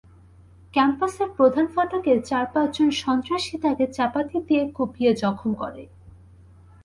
ক্যাম্পাসের প্রধান ফটকে চার-পাঁচজন সন্ত্রাসী তাঁকে চাপাতি দিয়ে কুপিয়ে জখম করে।